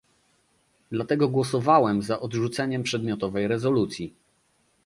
Dlatego głosowałem za odrzuceniem przedmiotowej rezolucji